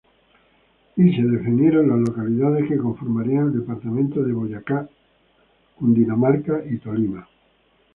Y se definieron las localidades que conformarían el departamento de Boyacá, Cundinamarca y Tolima.